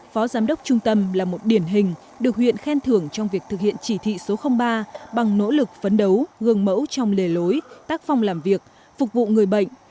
phó giám đốc trung tâm là một điển hình được huyện khen thưởng trong việc thực hiện chỉ thị số ba bằng nỗ lực phấn đấu gương mẫu trong lề lối tác phong làm việc phục vụ người bệnh